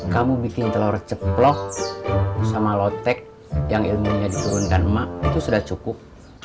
kamu bikin telur ceplok sama lotek yang ilmunya diturunkan emak itu sudah cukup